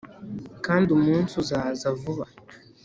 Kand' umuns' uzaza vuba,